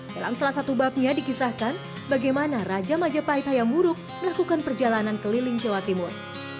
dalam salah satu babnya dikisahkan bagaimana raja majapahit hayam buruk melakukan perjalanan keliling jawa timur